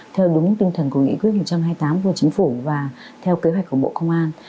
theo đúng tinh thần của nghị quyết một trăm hai mươi tám của chính phủ và theo kế hoạch của bộ công an